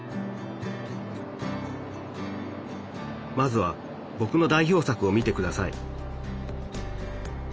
まずはぼくの代表作を見てください